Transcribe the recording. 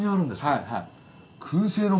はい。